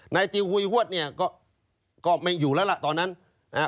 ติวหุยฮวดเนี่ยก็ก็ไม่อยู่แล้วล่ะตอนนั้นนะฮะ